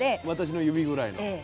私の指ぐらいの。